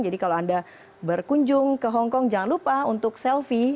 jadi kalau anda berkunjung ke hongkong jangan lupa untuk selfie